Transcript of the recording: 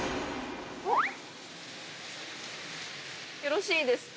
よろしいですか？